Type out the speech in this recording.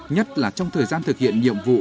nhất là trong thời gian thực hiện nhiệm vụ